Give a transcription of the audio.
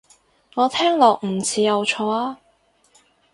我聽落唔似有錯啊